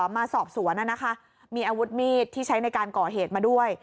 มาสอบสวนมีอาวุธมีดที่ใช้ในการก่อเหตุมาด้วย